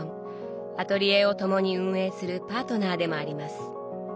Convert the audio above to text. アトリエを共に運営するパートナーでもあります。